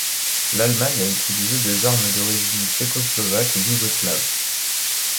L'Allemagne a utilisé des armes d'origine tchécoslovaque et yougoslave.